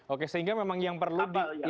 oke sehingga memang yang perlu di